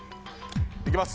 いきます！